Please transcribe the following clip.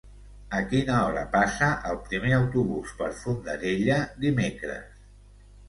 A quina hora passa el primer autobús per Fondarella dimecres?